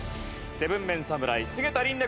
７ＭＥＮ侍菅田琳寧